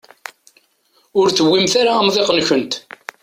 Ur tewwimt ara amḍiq-nkent.